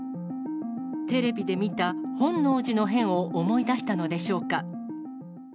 テレビで見た本能寺の変を思い出したのでしょうか。